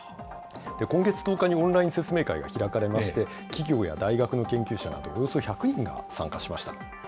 今月１０日にオンライン説明会が開かれまして、企業や大学の研究者など、およそ１００人が参加しました。